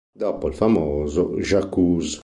Dopo il famoso J'Accuse...!